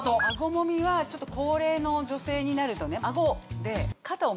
アゴもみはちょっと高齢の女性になるとね。